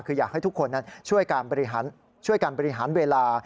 คืออยากให้ทุกคนนั้นช่วยการช่วยการบริหารเวลา